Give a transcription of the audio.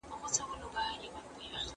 خفګان د مختلفو ناروغیو سبب ګرځي.